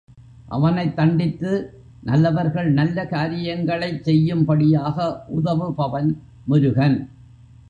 அவனைத் தண்டித்து நல்லவர்கள் நல்ல காரியங்களைச் செய்யும்படியாக உதவுபவன் முருகன்.